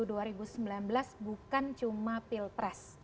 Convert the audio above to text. dua ribu sembilan belas bukan cuma pilpres